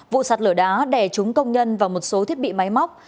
vụ sạt lở đá đè trúng công nhân và một số thiết bị máy móc